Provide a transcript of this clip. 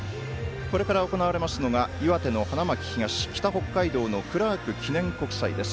これから行われますのが岩手の花巻東北北海道、クラーク記念国際です。